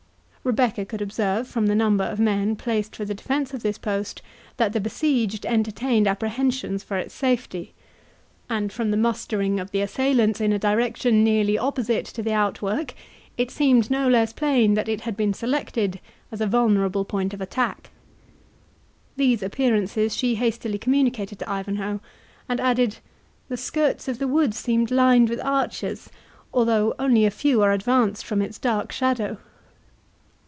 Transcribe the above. Rebecca could observe, from the number of men placed for the defence of this post, that the besieged entertained apprehensions for its safety; and from the mustering of the assailants in a direction nearly opposite to the outwork, it seemed no less plain that it had been selected as a vulnerable point of attack. These appearances she hastily communicated to Ivanhoe, and added, "The skirts of the wood seem lined with archers, although only a few are advanced from its dark shadow."